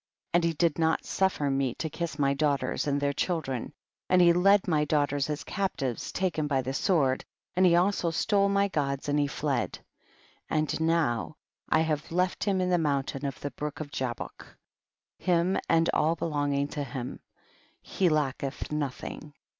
61. And he did not suffer mc to kiss my daughters and their children, and he led my daughters as captives taken by the sword, and he also stole my gods and he fled. 62. And now I have left him in the mountain of the brook of Jabuk, him and all belonging to him ; he lacketh nothing.